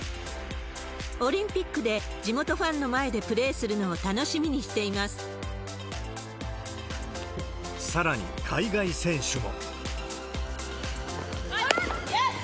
オリンピックで地元ファンの前でプレーするのを楽しみにしてさらに、海外選手も。